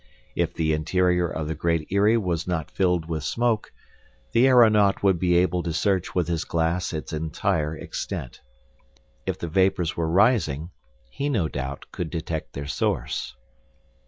If the interior of the Great Eyrie was not filled with smoke, the aeronaut would be able to search with his glass its entire extent. If the vapors were rising, he, no doubt, could detect their source.